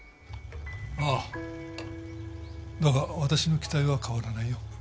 ああだが私の期待は変わらないよ